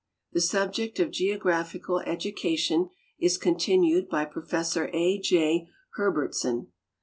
The subject of geogra|)li ical education is continued by Prof. A. J. Herbertson.